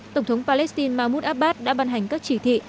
tổng thống palestine mahmoud abbas đã ban hành các chỉ thị